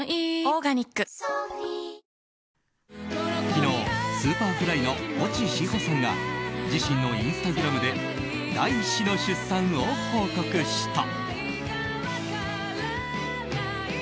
昨日、Ｓｕｐｅｒｆｌｙの越智志帆さんが自身のインスタグラムで第１子の出産を報告した。